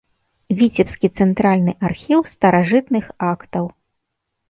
Віцебскі цэнтральны архіў старажытных актаў.